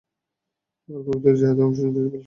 আর পবিত্র জিহাদে অংশ নিতে বলেছে।